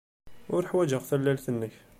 Ur ḥwajeɣ tallalt-nnek.